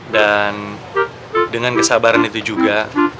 dan dengan kesabaran itu juga